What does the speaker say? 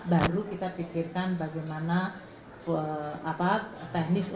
baru kita pikirkan bagaimana teknis untuk membuatnya